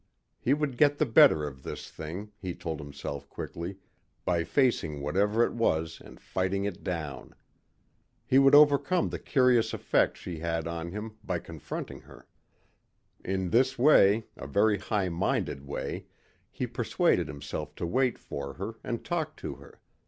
He would get the better of this thing, he told himself quickly, by facing whatever it was and fighting it down. He would overcome the curious effect she had on him by confronting her. In this way, a very high minded way, he persuaded himself to wait for her and to talk to her.